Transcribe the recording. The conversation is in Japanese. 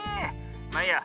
まあいいや。